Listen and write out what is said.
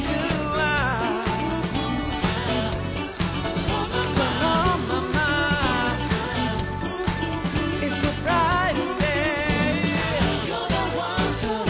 はい。